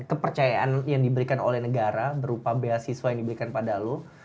kepercayaan yang diberikan oleh negara berupa beasiswa yang diberikan pada lu